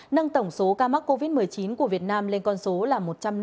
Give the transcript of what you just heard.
nâng tổng số ca mắc covid một mươi chín của việt nam lên con số là một trăm năm mươi ca